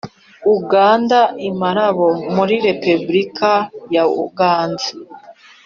Uganda i Malabo muri Repubulika ya Uganda